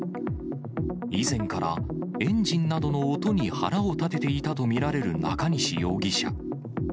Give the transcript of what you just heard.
以前から、エンジンなどの音に腹を立てていたと見られる中西容疑者。